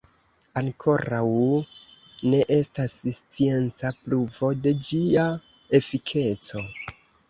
Ankoraŭ ne estas scienca pruvo de ĝia efikeco.